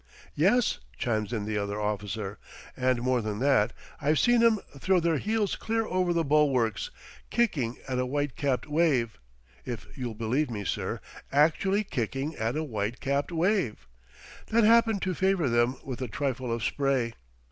"Yes," chimes in the other officer, "and, more than that, I've seen 'em throw their heels clear over the bulwarks, kicking at a white capped wave if you'll believe me, sir, actually kicking at a white capped wave that happened to favor them with a trifle of spray."